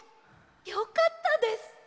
よかったです！